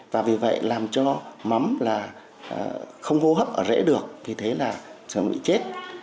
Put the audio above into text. và vì vậy làm cho mắm là không hô hấp ở rễ được vì thế là sầm bị chết